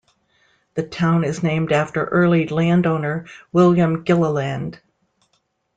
The town is named after early landowner William Gilliland.